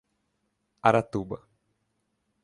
Aratuba